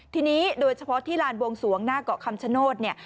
ทีนี้โดยเฉพาะที่ลานบวงสวงหน้าเกาะคำชโนธเนี่ย